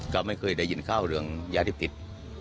ก็ไม่เคยได้ยินเคราะห์เรื่องยาดิบติด